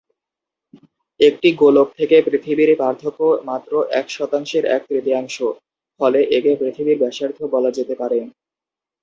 একটি গোলক থেকে পৃথিবীর পার্থক্য মাত্র এক শতাংশের এক তৃতীয়াংশ, ফলে একে "পৃথিবীর ব্যাসার্ধ" বলা যেতে পারে।